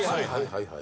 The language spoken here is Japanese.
はいはい。